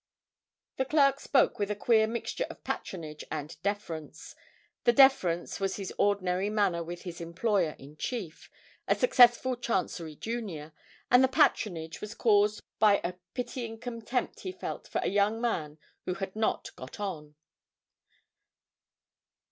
The clerk spoke with a queer mixture of patronage and deference: the deference was his ordinary manner with his employer in chief, a successful Chancery junior, and the patronage was caused by a pitying contempt he felt for a young man who had not got on.